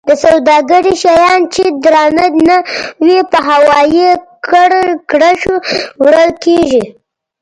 د سوداګرۍ شیان چې درانه نه وي په هوایي کرښو وړل کیږي.